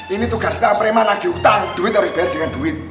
ini tugas kita perempuan lagi utang duit harus dibayar dengan duit